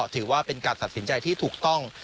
ถือว่าเป็นการตัดสินใจที่ถูกต้อง